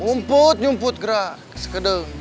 ngumpul nyumput gerak